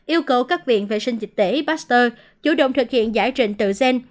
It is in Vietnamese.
yêu cầu các viện vệ sinh dịch tệ pasteur chủ động thực hiện giải trình tự gen